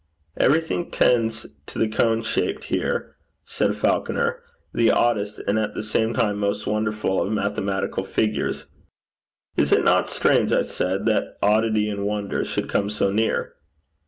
'Everything tends to the cone shape here,' said Falconer, 'the oddest and at the same time most wonderful of mathematical figures.' 'Is it not strange,' I said, 'that oddity and wonder should come so near?'